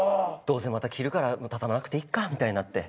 どうせまた着るから畳まなくていっかみたいになって。